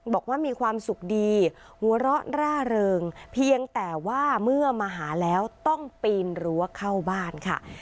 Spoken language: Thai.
บอกว่ามีความสุขดีหัวเราะร่าเริงเพียงแต่ว่าเมื่อมาหาแล้วต้องปีนรั้วเข้าบ้านค่ะ